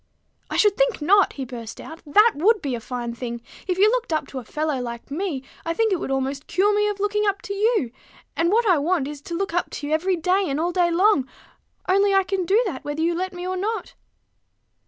"I should think not," he burst out. "That would be a fine thing! If you looked up to a fellow like me, I think it would almost cure me of looking up to you; and what I want is to look up to you every day and all day long: only I can do that whether you let me or not."